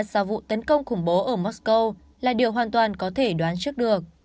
sau vụ tấn công khủng bố ở mosco là điều hoàn toàn có thể đoán trước được